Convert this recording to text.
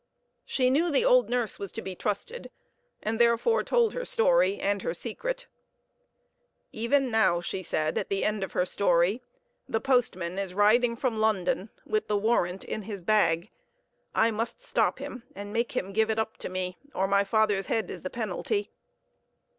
She knew the old nurse was to be trusted, and therefore told her story and her secret. "Even now," she said at the end of her story, "the postman is riding from London with the warrant in his bag. I must stop him and make him give it up to me, or my father's head is the penalty.